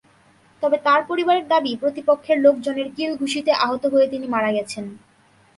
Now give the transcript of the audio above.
তবে তাঁর পরিবারের দাবি, প্রতিপক্ষের লোকজনের কিল-ঘুষিতে আহত হয়ে তিনি মারা গেছেন।